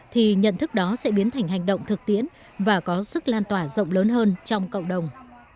thì nhận thức đó sẽ biến thành hành động thực tiễn và có sức lan tỏa rộng lớn hơn trong cộng đồng